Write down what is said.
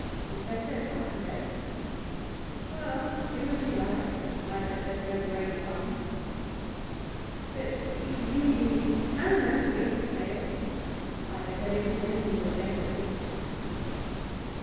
'A better kind, eh? Well, do as you like. I dare say it's no great harm.' 'But if you really ' 'No, no; read the tales. I dare say they wouldn't listen to a better book.